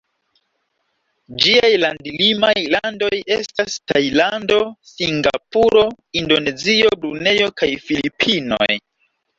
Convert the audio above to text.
Ĝiaj land-limaj landoj estas Tajlando, Singapuro, Indonezio, Brunejo kaj Filipinoj.